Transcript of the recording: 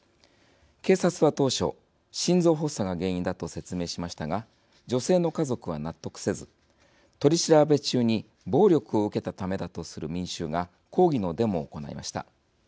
警察は当初、心臓発作が原因だと説明しましたが女性の家族は納得せず取り調べ中に暴力を受けたためだとする民衆が抗議のデモを行いました。